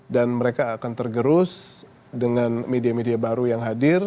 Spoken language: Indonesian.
mereka akan tergerus dengan media media baru yang hadir